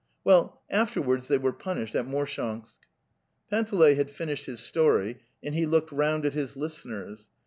... Well, afterwards they were punished at Morshansk."' Panteley had finished his story, and he looked round at his listeners.